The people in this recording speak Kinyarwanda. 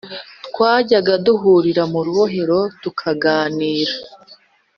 twajyaga duhurira mu rubohero, tukaganira